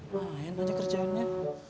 main aja kerjaannya